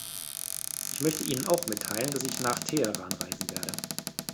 Ich möchte Ihnen auch mitteilen, dass ich nach Teheran reisen werde.